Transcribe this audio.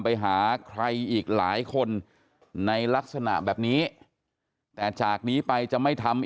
ไปหาใครอีกหลายคนในลักษณะแบบนี้แต่จากนี้ไปจะไม่ทำ